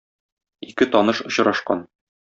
Ике таныш очрашкан.